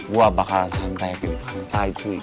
gua bakalan santai kayak gini pantai cuy